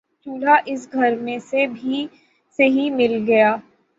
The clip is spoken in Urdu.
چولہا اس گھر میں سے ہی مل گیا